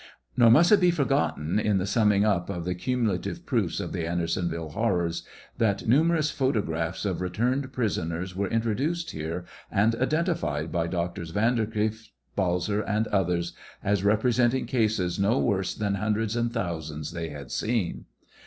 Nor must it be forgotten, in the. summing up of the cumulative proofs of the Andersonville horrors, that njimerous photographs of returned pi isoners were introduced here, and identified by Doctors Vanderkieft, Balser and others, as representing cases no worse than hundreds and thousands they had seen.